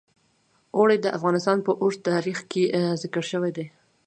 اوړي د افغانستان په اوږده تاریخ کې ذکر شوی دی.